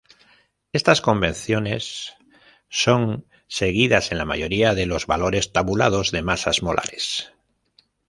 Estas convenciones son seguidas en la mayoría de los valores tabulados de masas molares.